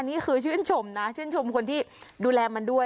นี่คือชื่นชมนะชื่นชมคนที่ดูแลมันด้วย